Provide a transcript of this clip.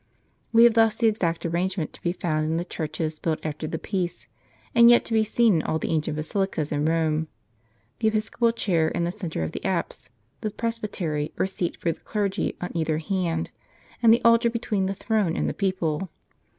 We have thus the exact arrangements to be found in the churches built after the peace, and yet to be seen in all the ancient basilicas in Rome — the episcopal chair in the centre of the apse, the presbytery or seat for the clergy on either hand, and the altar between the throne and the people.